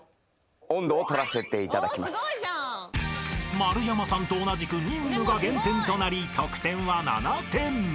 ［丸山さんと同じく「任務」が減点となり得点は７点］